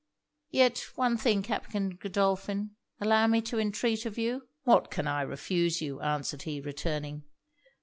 'Yet one thing, Captain Godolphin, allow me to entreat of you?' 'What can I refuse you?' answered he, returning.